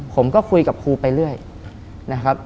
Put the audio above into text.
ผมก็คุยกับครูไปเรื่อยนะครับ